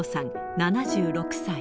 ７６歳。